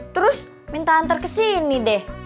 terus minta antar kesini deh